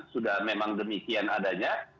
sudah memang demikian adanya